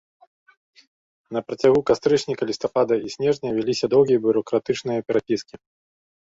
На працягу кастрычніка, лістапада і снежня вяліся доўгія бюракратычныя перапіскі.